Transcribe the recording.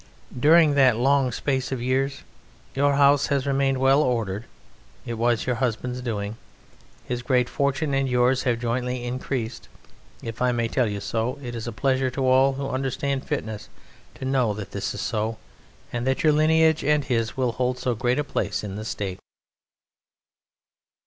During that long space of years your house has remained well ordered (it was your husband's doing). His great fortune and yours have jointly increased: if I may tell you so, it is a pleasure to all who understand fitness to know that this is so, and that your lineage and his will hold so great a place in the State.